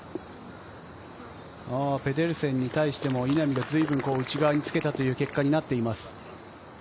ペデルセンに対しても、稲見のずいぶん内側につけたという結果になっています。